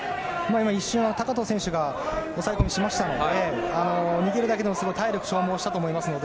今、一瞬高藤選手が抑え込みしましたので逃げるだけでも体力を消耗したと思いますので。